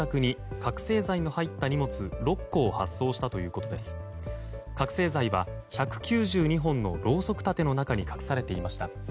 覚醒剤は１９２本のろうそく立ての中に隠されていました。